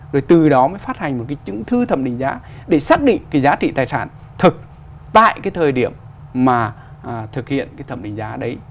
rồi từ đó mới phát hành một cái chứng thư thẩm định giá để xác định cái giá trị tài sản thực tại cái thời điểm mà thực hiện cái thẩm định giá đấy